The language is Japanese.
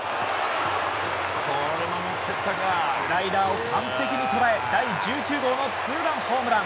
スライダーを完璧に捉え第１９号のツーランホームラン。